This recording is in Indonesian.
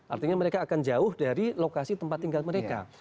artinya mereka akan jauh dari lokasi tempat tinggal mereka